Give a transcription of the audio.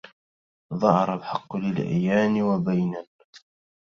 ظهر الحق للعيان وبينا